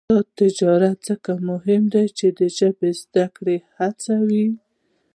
آزاد تجارت مهم دی ځکه چې ژبې زدکړه هڅوي.